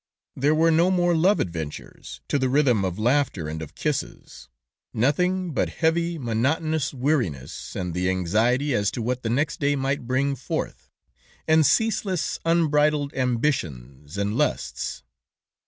There were no more love adventures, to the rhythm of laughter and of kisses; nothing but heavy, monotonous weariness, and the anxiety as to what the next day might bring forth, and ceaseless, unbridled ambitions and lusts.